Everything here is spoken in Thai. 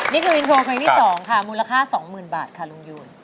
นี่คืออินโทรเพลงที่๒ค่ะมูลค่า๒๐๐๐บาทค่ะลุงยูน